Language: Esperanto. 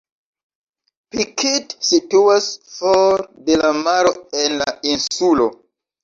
Pikit situas for de la maro en la insulo.